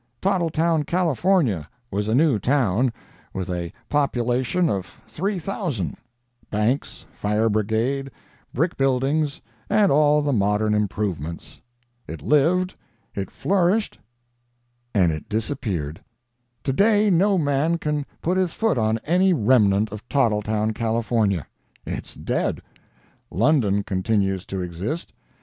"Tottletown, Cal., was a new town, with a population[Pg 173] of three thousand—banks, fire brigade, brick buildings, and all the modern improvements. It lived, it flourished, and it disappeared. To day no man can put his foot on any remnant of Tottletown, Cal. It's dead. London continues to exist.